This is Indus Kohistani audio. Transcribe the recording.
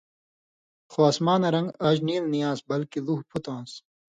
خو اسماناں رن٘گ آژ نیل نی آن٘س بلکے لُوہوۡ پُھت آنس۔